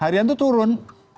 harian itu turun